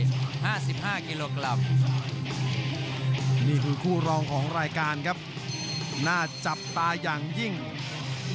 โดยคุณผู้ชมกิจขยันหรือว่าคุณหม่าน้อยอุดอซึ่งวันนี้เดินทางมาด้วยตัวเองครับ